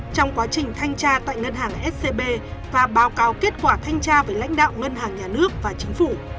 trong quá trình thanh tra tại ngân hàng scb và báo cáo kết quả thanh tra về lãnh đạo ngân hàng nhà nước và chính phủ